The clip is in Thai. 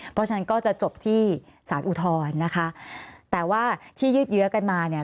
เพราะฉะนั้นก็จะจบที่สารอุทธรณ์นะคะแต่ว่าที่ยืดเยอะกันมาเนี่ย